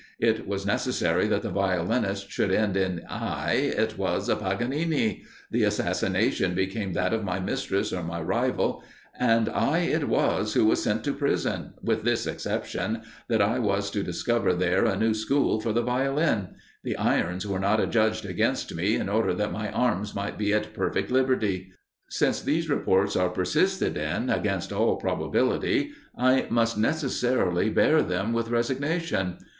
It was necessary that the violinist should end in i, it was Paganini; the assassination became that of my mistress or my rival; and I it was who was sent to prison, with this exception, that I was to discover there a new school for the Violin: the irons were not adjudged against me, in order that my arms might be at perfect liberty. Since these reports are persisted in, against all probability, I must necessarily bear them with resignation.